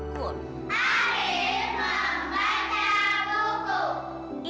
iman membantu ibu